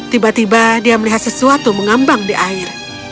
tiba tiba dia melihat sesuatu mengambang di air